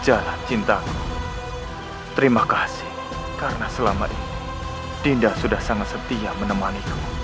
jalan cinta terima kasih karena selama ini dinda sudah sangat setia menemaniku